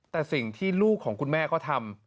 แต่สิ่งที่ลูกของคุณแม่เขาทำ